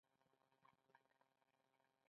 د ودونو تالارونه لویه سوداګري ده